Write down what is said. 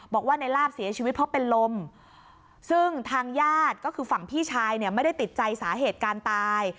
บอกว่าในลาบเสียชีวิตเพราะเป็นลมซึ่งทางญาติก็คือฝั่งพี่ชายเนี่ยไม่ได้ติดใจสาเหตุการตาย